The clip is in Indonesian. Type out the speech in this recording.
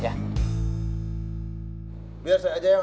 biar saya aja yang